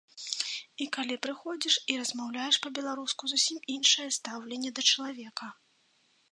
І калі прыходзіш і размаўляеш па-беларуску, зусім іншае стаўленне да чалавека.